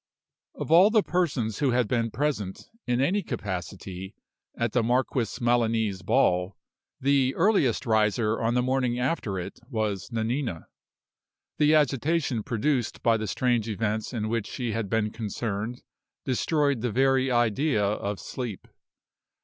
Of all the persons who had been present, in any capacity, at the Marquis Melani's ball, the earliest riser on the morning after it was Nanina. The agitation produced by the strange events in which she had been concerned destroyed the very idea of sleep.